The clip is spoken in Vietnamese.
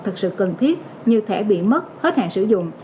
thật sự cần thiết như thẻ bị mất hết hàng sử dụng